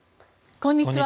こんにちは。